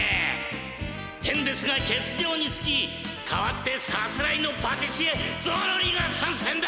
ヘンデスがけつじょうにつきかわってさすらいのパティシエゾロリがさんせんだ！